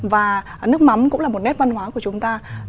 và nước mắm cũng là một nét văn hóa của chúng ta